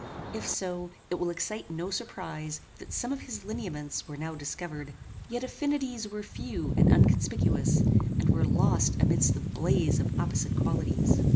If so, it will excite no surprize that some of his lineaments were now discovered. Yet affinities were few and unconspicuous, and were lost amidst the blaze of opposite qualities.